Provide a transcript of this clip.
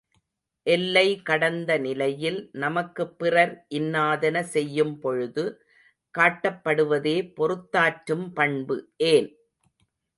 எல்லை கடந்த நிலையில் நமக்குப் பிறர் இன்னாதன செய்யும் பொழுது காட்டப்படுவதே பொறுத்தாற்றும் பண்பு ஏன்?